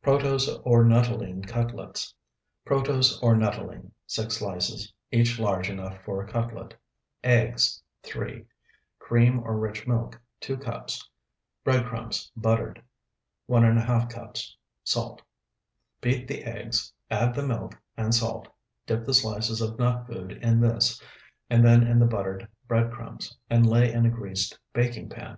PROTOSE OR NUTTOLENE CUTLETS Protose or nuttolene, 6 slices, each large enough for a cutlet. Eggs, 3. Cream or rich milk, 2 cups. Bread crumbs, buttered, 1½ cups. Salt. Beat the eggs, add the milk and salt, dip the slices of nut food in this, and then in the buttered bread crumbs, and lay in a greased baking pan.